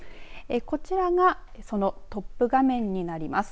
こちらがそのトップ画面になります。